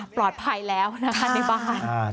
ปลอดภัยแล้วในบ้าน